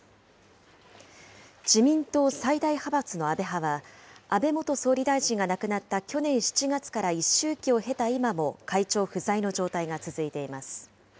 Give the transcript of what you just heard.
自民党最大派閥の安倍派は、安倍元総理大臣が亡くなった去年７月から一周忌を経た今も、会長不在の状態が続いています。